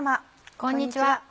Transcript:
こんにちは。